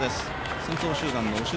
先頭集団の後ろ